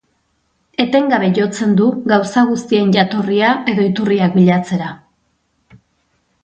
Etengabe jotzen du gauza guztien jatorria edo iturriak bilatzera.